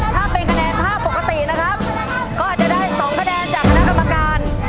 ถ้าเป็นคะแนนภาพปกตินะครับก็อาจจะได้๒คะแนนจากคณะกรรมการ